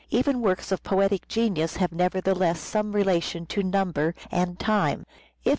Even works of poetic genius have speare's " nevertheless some relation to number and time. If, declines.